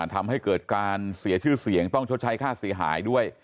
ทำให้เกิดการเสียชื่อเสียงต้องชดใช้ค่าเสียหายด้วย